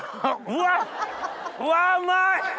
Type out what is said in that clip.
うわうまい！